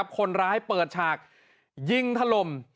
คนร้ายเปิดฉากยิงถล่ม